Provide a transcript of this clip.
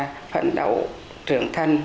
và phận đấu trưởng thân